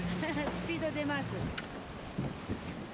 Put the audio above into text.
スピード出ます。